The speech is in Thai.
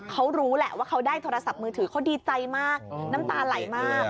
เขารู้แหละว่าเขาได้โทรศัพท์มือถือเขาดีใจมากน้ำตาไหลมาก